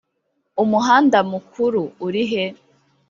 umuhanda mukuru urihe?